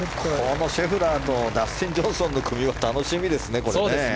シェフラーのダスティン・ジョンソンの組は楽しみですね。